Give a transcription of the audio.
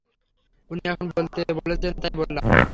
উনি এখন বলতে বলছেন তাই বললাম।